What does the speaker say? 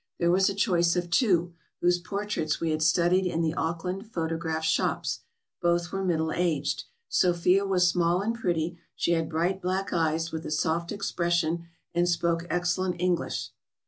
There was a choice of two, whose portraits we had studied in the Auckland photograph shops. Both were middle aged. Sophia was small and pretty, she had 436 MISCELLANEOUS 437 bright black eyes, with a soft expression, and spoke excel lent English.